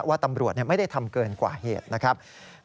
ว่าตำรวจไม่ได้ทำเกินกว่าเหตุนะครับ